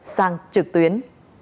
sang trực tuyến